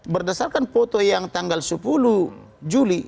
berdasarkan foto yang tanggal sepuluh juli